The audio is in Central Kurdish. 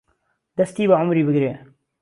دەستی بە عومری بگرێ